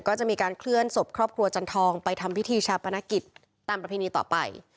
ก็จะมีการเคลื่อนศพครอบครัวจันทองไปทำพิธีชาปนกิจตามประเพณีต่อไป